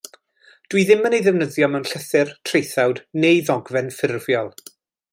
Dw i ddim yn ei ddefnyddio mewn llythyr, traethawd neu ddogfen ffurfiol.